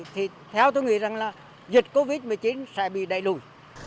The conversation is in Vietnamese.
thì theo tôi nghĩ rằng là dịch covid một mươi chín sẽ bị đẩy lùi